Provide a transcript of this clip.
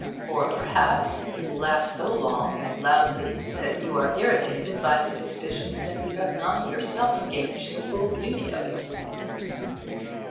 Or perhaps he will laugh so long and loudly that you are irritated by the suspicion that you have not yourself gauged the full beauty of it.